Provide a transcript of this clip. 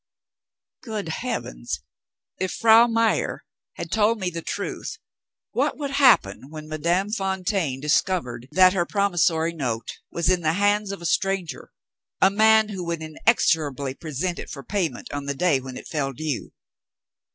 Good Heavens, if Frau Meyer had told me the truth, what would happen when Madame Fontaine discovered that her promissory note was in the hands of a stranger a man who would inexorably present it for payment on the day when it fell due?